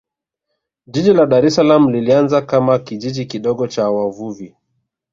jiji la dar es salaam lilianza kama kijiji kidogo cha wavuvi